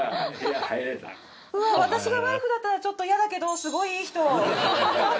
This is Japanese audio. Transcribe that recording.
うわっ私がワイフだったらちょっとイヤだけどすごいいい人！